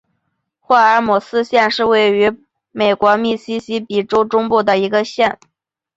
霍尔姆斯县是位于美国密西西比州中部的一个县。